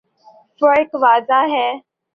فرق واضح ہے۔